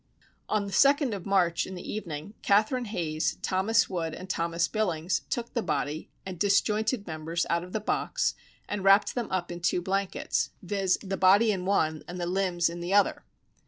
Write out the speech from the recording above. On the second of March, in the evening, Catherine Hayes, Thomas Wood, and Thomas Billings took the body and disjointed members out of the box, and wrapped them up in two blankets, viz., the body in one, and the limbs in the other.